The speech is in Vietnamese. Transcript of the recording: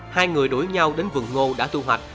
hai người đuổi nhau đến vườn ngô đã tu hoạch